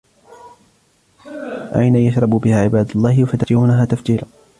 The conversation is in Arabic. عينا يشرب بها عباد الله يفجرونها تفجيرا